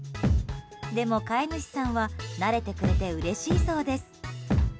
でも、飼い主さんは慣れてくれてうれしいそうです。